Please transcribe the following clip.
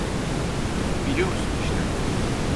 Biliyorsun işte…